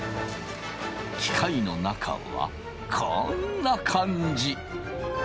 機械の中はこんな感じ。